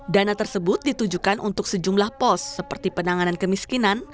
dana tersebut ditujukan untuk sejumlah pos seperti penanganan kemiskinan